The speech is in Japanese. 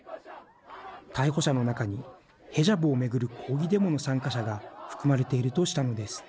逮捕者の中にヘジャブを巡る抗議デモの参加者が含まれているとしたのです。